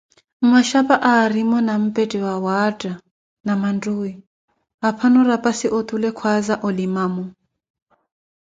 Mmaxapa aarimo nanpette awaatta ni maatuwi, aphano rapazi otule kwhaza olimamo.